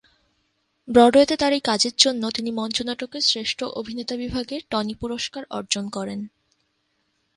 ব্রডওয়েতে তার এই কাজের জন্য তিনি মঞ্চনাটকে শ্রেষ্ঠ অভিনেতা বিভাগে টনি পুরস্কার অর্জন করেন।